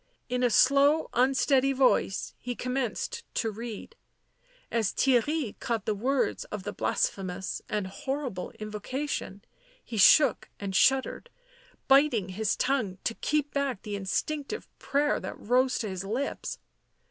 In a slow, unsteady voice he commenced to read. As Theirry caught the words of the blasphemous and horrible invocation he shook and shuddered, biting his tongue to keep back the instinctive prayer that rose to his lips.